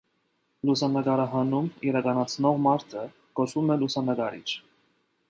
Լուսանկարահանում իրականացնող մարդը կոչվում է լուսանկարիչ։